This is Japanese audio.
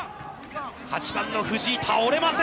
８番の藤井、倒れません。